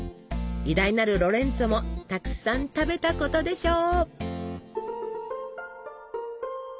偉大なるロレンツォもたくさん食べたことでしょう。